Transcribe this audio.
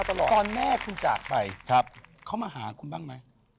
ตอนแม่คุณจากไปเขามาหาคุณบ้างไหม